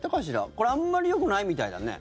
これあんまりよくないみたいだね。